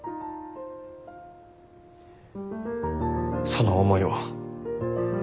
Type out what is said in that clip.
その思いを。